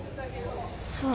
そう。